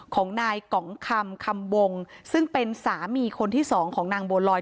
ของนายกองคำคำวงซึ่งเป็นสามีคนที่สองของนางบัวลอย